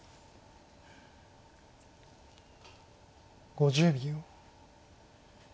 ５０秒。